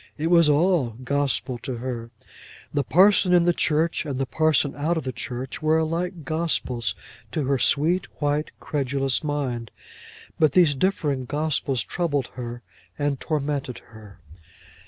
It was all gospel to her. The parson in the church, and the parson out of the church, were alike gospels to her sweet, white, credulous mind; but these differing gospels troubled her and tormented her.